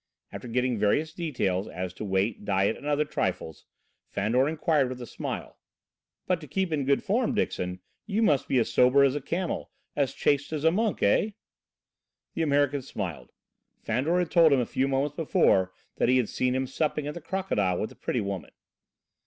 After getting various details as to weight, diet and other trifles, Fandor inquired with a smile: "But to keep in good form, Dixon, you must be as sober as a camel, as chaste as a monk, eh?" The American smiled. Fandor had told him a few moments before that he had seen him supping at the "Crocodile" with a pretty woman.